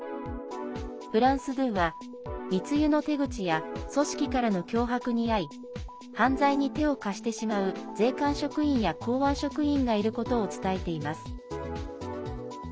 フランス２は、密輸の手口や組織からの脅迫に遭い犯罪に手を貸してしまう税関職員や港湾職員がいることを伝えています。